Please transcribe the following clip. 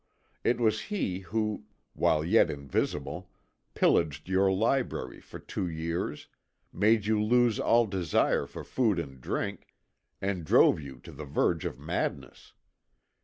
It was he who, while yet invisible, pillaged your library for two years, made you lose all desire for food and drink, and drove you to the verge of madness.